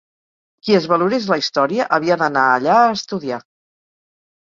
Qui es valorés la història havia d’anar allà a estudiar.